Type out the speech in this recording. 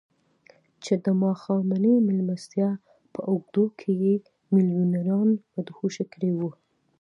چې د ماښامنۍ مېلمستیا په اوږدو کې يې ميليونران مدهوشه کړي وو.